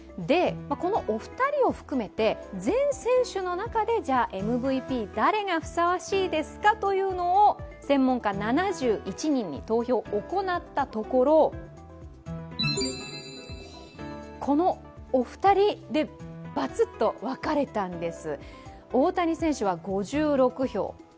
お二人を含めて全選手の中でＭＶＰ誰がふさわしいですかというのを専門家７１人に投票を行ったところこのお二人でバツっと分かれたんです。